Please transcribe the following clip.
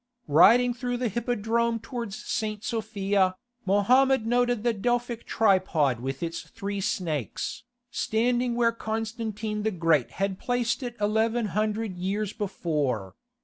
Riding through the hippodrome towards St. Sophia, Mohammed noted the Delphic tripod with its three snakes,(33) standing where Constantine the Great had placed it eleven hundred years before.